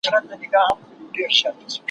د لېوانو په څېر مخ په مخ ویدیږي